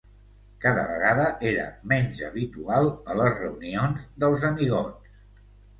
Cada vegada era menys habitual a les reunions dels amigots.